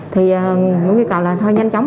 thì muốn ghi cầu là thôi nhanh chóng